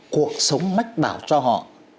cuộc sống mách bảo cho họ